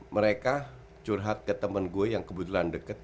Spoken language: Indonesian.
mereka curhat ke temen gue yang kebetulan deket